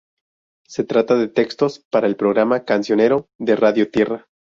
Se trata de textos para el programa "Cancionero" de Radio Tierra.